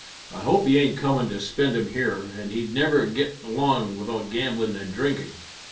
I hope he ain't comin' to spend 'em here, for he'd never git along without gamblin' an' drinkin'."